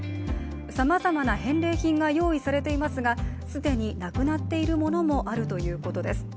さまざまな返礼品が用意されていますが、既になくなっているものもあるということです。